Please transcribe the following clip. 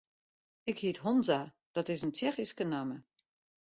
Ik hyt Honza, dat is in Tsjechyske namme.